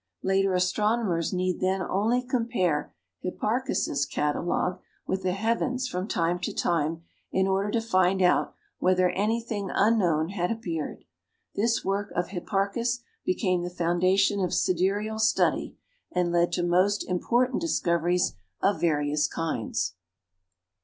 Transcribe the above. Later astronomers need then only compare Hipparchus's catalogue with the heavens from time to time in order to find out whether anything unknown had appeared. This work of Hipparchus became the foundation of sidereal study, and led to most important discoveries of various kinds.